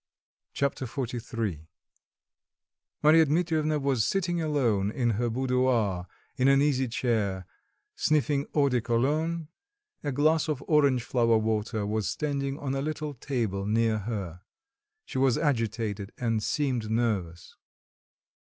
Chapter XLIII Marya Dmitrievna was sitting alone in her boudoir in an easy chair, sniffing eau de cologne; a glass of orange flower water was standing on a little table near her. She was agitated and seemed nervous.